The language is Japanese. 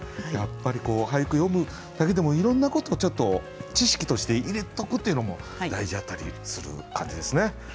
やっぱり俳句詠むだけでもいろんなことをちょっと知識として入れとくっていうのも大事やったりする感じですね。